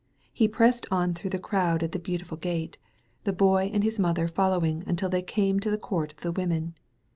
He pressed on through the crowd at the Beautiful Gate, the Boy and his mother following until th^ came to the Court of the Women.